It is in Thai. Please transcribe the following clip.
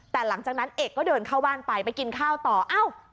แต่หลังจากนั้นเอกก็เดินเข้าบ้านไปไปกินข้าวต่อเอ้า